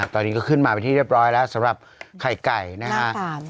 ตอนนี้ก็ขึ้นมาเป็นที่เรียบร้อยแล้วสำหรับไข่ไก่นะครับ